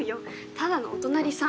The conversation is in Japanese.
ただのお隣さん。